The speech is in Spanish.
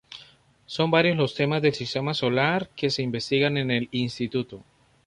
Son varios los temas del sistema solar que se investigan en el Instituto.